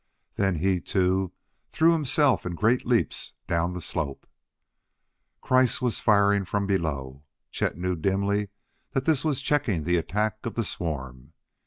Then he, too, threw himself in great leaps down the slope. Kreiss was firing from below; Chet knew dimly that this was checking the attack of the swarm.